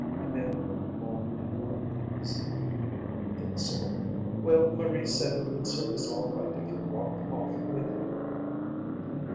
Emil grew more and more uneasy. "Think so? Well, Marie said it would serve us all right if you walked off with him."